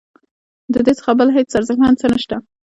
ددې څخه بل هیڅ ارزښتمن څه نشته.